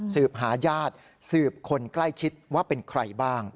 สืบหาญาติสืบคนใกล้ชิดว่าเป็นใครบ้าง